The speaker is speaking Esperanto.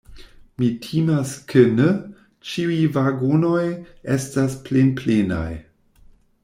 Mi timas ke ne; ĉiuj vagonoj estas plenplenaj.